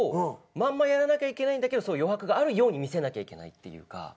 まんまやらなきゃいけないんだけど余白があるように見せなきゃいけないっていうか。